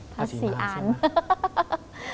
ภาษีมหาศิลปะ